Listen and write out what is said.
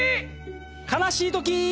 悲しいとき！